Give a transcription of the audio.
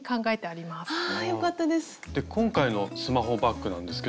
あよかったです。